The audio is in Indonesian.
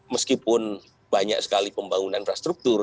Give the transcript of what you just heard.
meskipun banyak sekali pembangunan infrastruktur